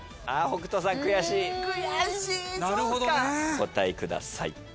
お答えください。